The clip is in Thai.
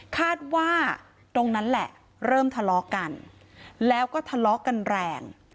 คาดว่าตรงนั้นแหละเริ่มทะเลาะกันแล้วก็ทะเลาะกันแรง